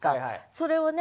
それをね